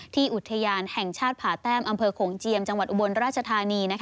อุทยานแห่งชาติผ่าแต้มอำเภอโขงเจียมจังหวัดอุบลราชธานี